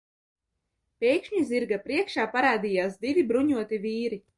Pēkšņi zirga priekšā parādījās divi bruņoti vīri.